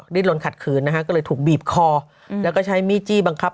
ลนขัดขืนนะฮะก็เลยถูกบีบคอแล้วก็ใช้มีดจี้บังคับ